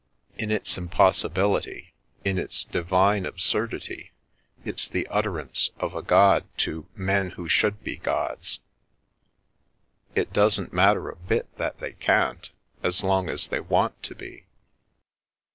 In its impossibility, in its divine absurdity, its the utter ance of a God to men who should be gods. It doesn't matter a bit that they can't, as long as they want to be."